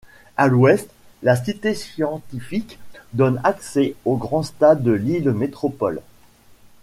À l'ouest, la Cité scientifique donne accès au Grand Stade Lille Métropole.